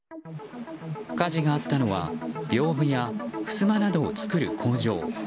火事があったのは屏風や、ふすまなどを作る工場。